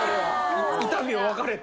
痛みを分かれと。